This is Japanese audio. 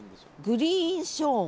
グリーン・ショーン。